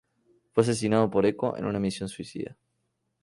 Fue asesinado por Echo en una misión suicida.